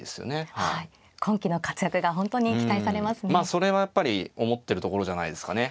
それはやっぱり思ってるところじゃないですかね。